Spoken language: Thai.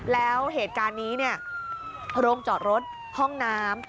แล้วเหตุการณ์นี้เนี่ยโรงจอดรถห้องน้ำ